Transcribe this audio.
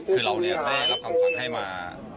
คือเราเนี่ยได้รับคำฝากให้มา